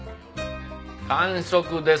完食です。